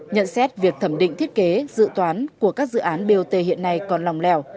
nhận xét việc thẩm định thiết kế dự toán của các dự án bot hiện nay còn lòng lẻo